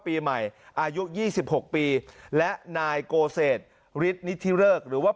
ปีใหม่อายุยี่สิบหกปีและนายโกเซตฤษนิทิเลิกหรือว่า